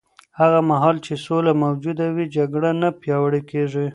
هغه مهال چې سوله موجوده وي، جګړه نه پیاوړې کېږي.